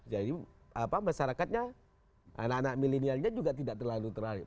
jadi masyarakatnya anak anak milenialnya juga tidak terlalu terlalu terlarik